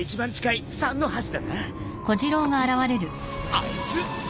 あいつ。